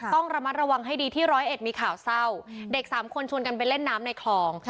ต้องระมัดระวังให้ดีที่ร้อยเอ็ดมีข่าวเศร้าเด็กสามคนชวนกันไปเล่นน้ำในคลอง